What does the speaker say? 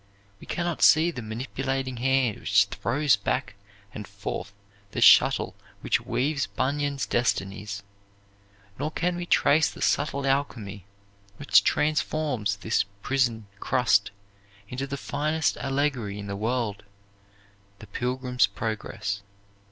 We can not see the manipulating hand which throws back and forth the shuttle which weaves Bunyan's destinies, nor can we trace the subtle alchemy which transforms this prison crust into the finest allegory in the world, the Pilgrim's Progress.